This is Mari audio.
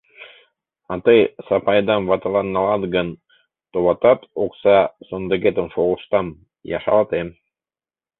А тый Сапайдам ватылан налат гын, товатат, окса сондыкетым шолыштам я шалатем.